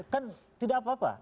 kan tidak apa apa